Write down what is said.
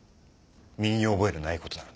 身に覚えのないことなので。